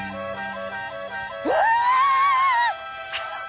「うわ！」。